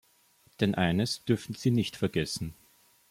Denn eines dürfen Sie nicht vergessen.